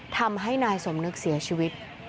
ทำให้นายสมนึกเสียชีวิต